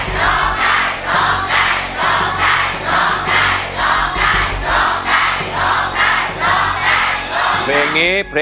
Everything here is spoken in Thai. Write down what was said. และน้องข้าวฟ่างร้องได้หรือว่าร้องผิดครับ